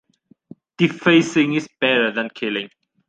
Defacing is better than killing.